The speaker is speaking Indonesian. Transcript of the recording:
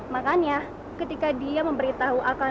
makanya ketika dia memberitahu akan